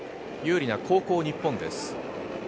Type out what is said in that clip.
有利な後攻・日本です。